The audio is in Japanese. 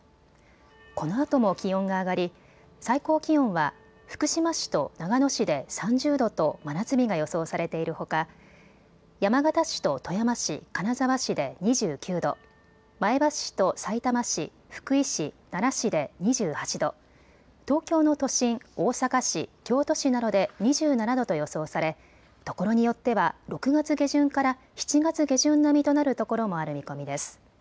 このあとも気温が上がり最高気温は福島市と長野市で３０度と真夏日が予想されているほか、山形市と富山市、金沢市で２９度、前橋市とさいたま市、福井市、奈良市で２８度、東京の都心、大阪市、京都市などで２７度と予想されところによっては６月下旬から７月下旬並みとなるところもある見込みです。